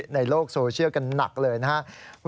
ในโลกโซเชียลกันหนักเลยนะครับ